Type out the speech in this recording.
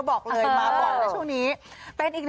ดอทบอกเลยตอนนี้